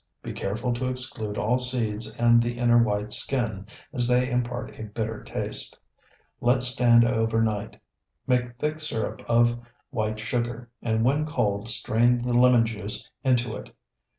Be careful to exclude all seeds and the inner white skin, as they impart a bitter taste. Let stand overnight. Make thick syrup of white sugar, and when cold strain the lemon juice into it.